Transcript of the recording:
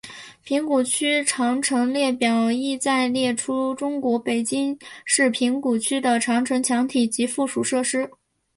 平谷区长城列表旨在列出中国北京市平谷区的长城墙体及附属设施。